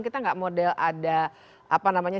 kita gak model ada